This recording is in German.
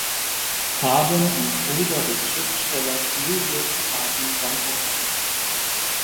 Kaden und Bruder des Schriftstellers Juliusz Kaden-Bandrowski.